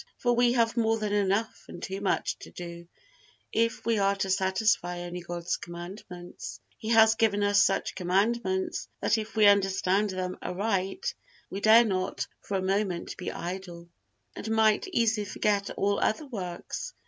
For we have more than enough and too much to do, if we are to satisfy only God's commandments. He has given us such commandments that if we understand them aright, we dare not for a moment be idle, and might easily forget all other works.